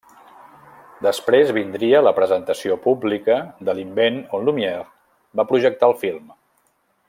Després vindria la presentació pública de l'invent on Lumière va projectar el film.